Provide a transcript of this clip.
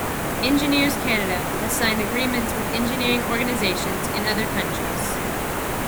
Engineers Canada has signed agreements with engineering organizations in other countries.